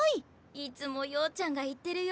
いつも曜ちゃんが言ってるよ？